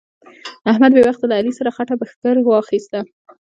احمد بې وخته له علي سره خټه پر ښکر واخيسته.